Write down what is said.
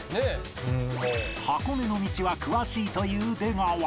箱根の道は詳しいという出川